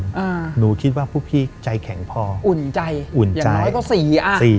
อ่าหนูคิดว่าพวกพี่ใจแข็งพออุ่นใจอุ่นอย่างน้อยก็สี่อ่ะสี่